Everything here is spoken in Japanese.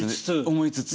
思いつつ。